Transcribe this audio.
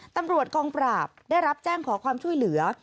ตำรวจกองปราบได้รับแจ้งขอความช่วยเหลือ